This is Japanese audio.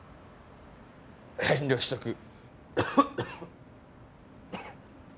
遠慮しとく。